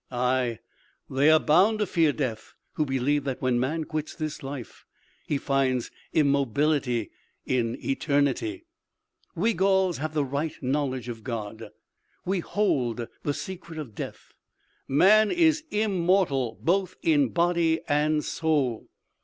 Aye! They are bound to fear death who believe that when man quits this life he finds immobility in eternity." "We Gauls have the right knowledge of God. We hold the secret of death. _Man is immortal both in body and soul.